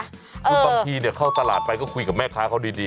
คือบางทีเข้าตลาดไปก็คุยกับแม่ค้าเขาดี